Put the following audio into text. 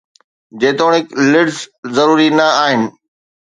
جيتوڻيڪ lids ضروري نه آهن